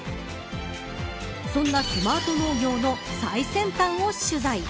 そんなスマート農業の最先端を取材。